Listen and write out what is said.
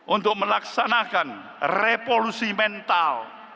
untuk melaksanakan revolusi mental